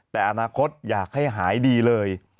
แต่อนาคตอยากให้หายดีเลย